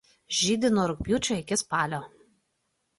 Žydi nuo rugpjūčio iki spalio.